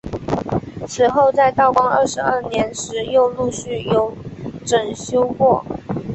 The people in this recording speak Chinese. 此后在道光二十二年时又陆续有整修过。